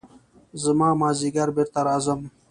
زه مازديګر بېرته راځم.